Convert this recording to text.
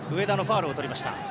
上田のファウルをとりました。